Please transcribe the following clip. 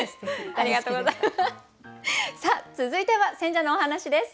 続いては選者のお話です。